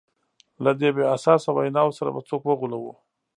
له دې بې اساسه ویناوو سره به څوک وغولوو.